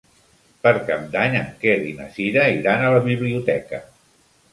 Per Cap d'Any en Quer i na Cira iran a la biblioteca.